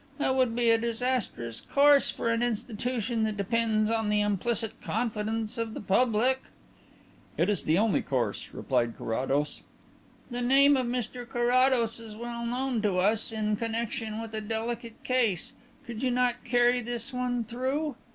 That would be a disastrous course for an institution that depends on the implicit confidence of the public." "It is the only course," replied Carrados. "The name of Mr Carrados is well known to us in connexion with a delicate case. Could you not carry this one through?"